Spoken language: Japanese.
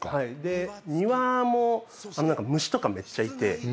庭も虫とかめっちゃいて。